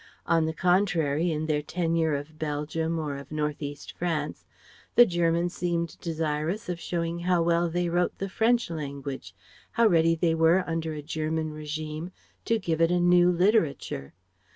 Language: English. On the contrary, in their tenure of Belgium or of North east France, the Germans seemed desirous of showing how well they wrote the French language, how ready they were under a German regime to give it a new literature.